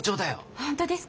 本当ですか！？